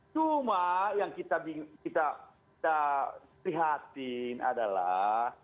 cuma yang kita prihatin adalah